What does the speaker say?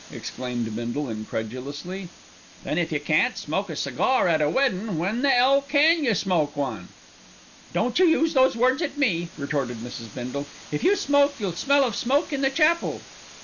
exclaimed Bindle incredulously. "Then if you can't smoke a cigar at a weddin', when the 'ell can you smoke one." "Don't you use those words at me," retorted Mrs. Bindle. "If you smoke you'll smell of smoke in the chapel."